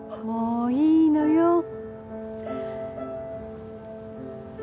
もういいのよ。